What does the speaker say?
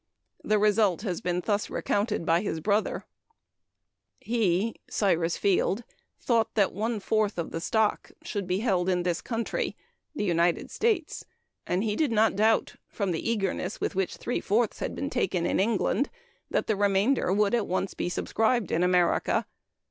The result has been thus recounted by his brother: "He (Cyrus Field) thought that one fourth of the stock should be held in this country (the United States), and he did not doubt from the eagerness with which three fourths had been taken in England, that the remainder would be at once subscribed in America."